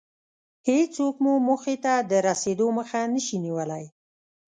هېڅوک مو موخې ته د رسېدو مخه نشي نيولی.